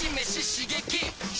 刺激！